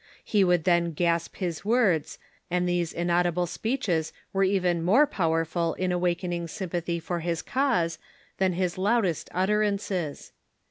He w^ould then gasp his words, and these inaudible speeches were even more power ful in awakening sympathy for his cause than his loudest utterances.